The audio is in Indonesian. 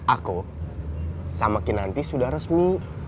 aku sama kinanti sudah resmi